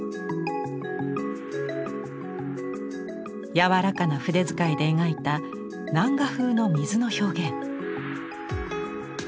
やわらかな筆遣いで描いた南画風の水の表現。